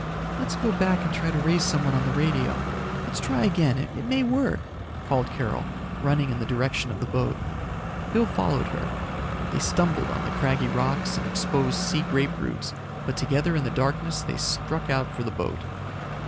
"Let's go back and try to raise someone on the radio. Let's try again, it may work," called Carol, running in the direction of the boat. Bill followed her. They stumbled on the craggy rocks and exposed sea grape roots, but together in the darkness they struck out for the boat.